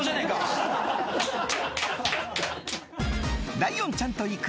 ライオンちゃんと行く！